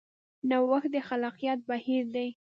نوښت د خلاقیت بهیر دی.